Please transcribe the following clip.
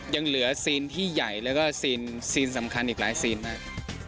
ยังเหลือซีนที่ใหญ่แล้วก็ซีนสำคัญอีกหลายซีนมาก